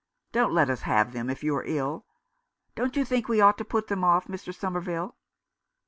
Don't let us have them if you are ill. Don't you think we ought to put them off, Mr. Somerville